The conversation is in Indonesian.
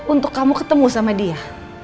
untuk kamu ketemu sama dia